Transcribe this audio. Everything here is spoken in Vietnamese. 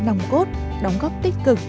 nòng cốt đóng góp tích cực